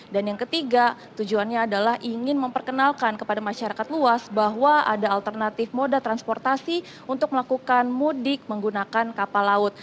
dan yang ketiga tujuannya adalah ingin memperkenalkan kepada masyarakat luas bahwa ada alternatif moda transportasi untuk melakukan mudik menggunakan kapal laut